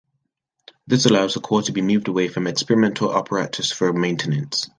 This allows the core to be moved away from experimental apparatus for maintenance.